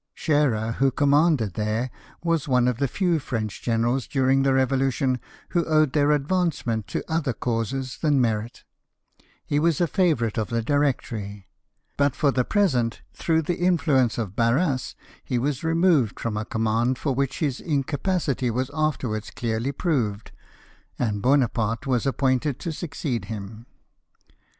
Scherer, who commanded there, was one of the few French generals during the Revolution who owed their advancement to other causes than merit: he was a favourite of the Directory ; but for the present, through the "influence of Barras, he was removed from a command for which his incapacity was afterwards clearly proved, and Buonaparte was appointed to succeed him.